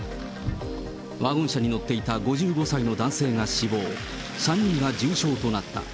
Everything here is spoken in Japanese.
ワゴン車に乗っていた５５歳の男性が死亡、３人が重傷となった。